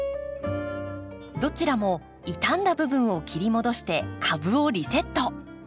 どちらも傷んだ部分を切り戻して株をリセット。